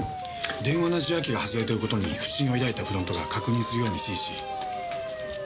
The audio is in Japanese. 電話の受話器が外れてる事に不審を抱いたフロントが確認するように指示しあの死体を。